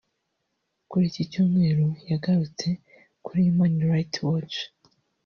kuri iki Cyumweru yagarutse kuri Human Rights Watch